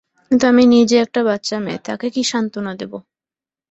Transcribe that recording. কিন্তু আমি নিজে একটা বাচ্চা মেয়ে, তাকে কী সান্ত্বনা দেব?